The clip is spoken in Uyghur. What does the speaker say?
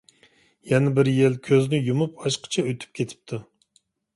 يەنە بىر يىل كۆزنى يۇمۇپ ئاچقۇچە ئۆتۈپ كېتىپتۇ.